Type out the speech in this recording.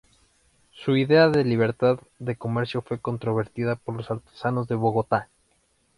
Su idea de libertad de comercio fue controvertida por los artesanos de Bogotá.